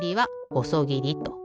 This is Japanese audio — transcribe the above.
「ほそぎり」と。